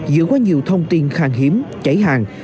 giữa qua nhiều thông tin khang hiếm chảy hàng